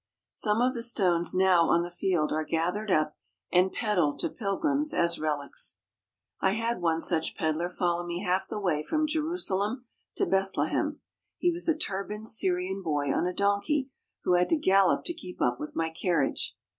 Some of the stones now on the field are gathered up and peddled to pilgrims as relics. I had one such pedlar follow me half the way from Jerusalem to Bethlehem. He was a turbaned Syrian boy on a donkey, who had to gallop to keep up with my carriage.